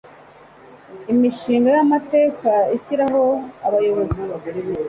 Imishinga y Amateka ashyiraho Abayobozi